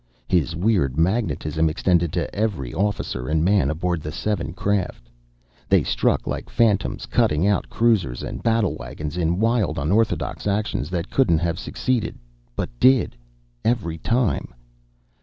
His weird magnetism extended to every officer and man aboard the seven craft. They struck like phantoms, cutting out cruisers and battlewagons in wild unorthodox actions that couldn't have succeeded but did every time.